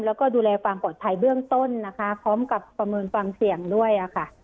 แล้วก็ดูแลความปลอดภัยเบื้องต้นนะคะพร้อมกับประเมินความเสี่ยงด้วยค่ะ